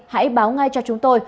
hãy báo ngay cho chúng tôi